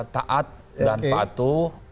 taat dan patuh